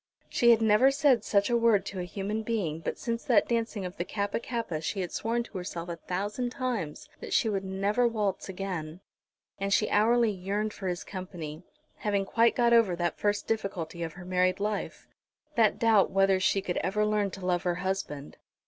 She had never said such a word to a human being, but since that dancing of the Kappa kappa she had sworn to herself a thousand times that she would never waltz again. And she hourly yearned for his company, having quite got over that first difficulty of her married life, that doubt whether she could ever learn to love her husband.